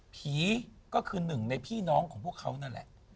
ผีก็คือหนึ่งในพี่น้องของพวกเขานั่นแหละ